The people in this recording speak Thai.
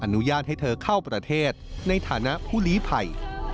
อนุญาตให้เธอเข้าประเทศในฐานะผู้ลีภัย